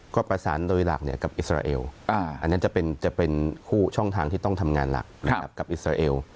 ก็ประสานโดยหลักกับอิสราเอลอันนั้นจะเป็นคู่ช่องทางที่ต้องทำงานหลักกับอิสราเอล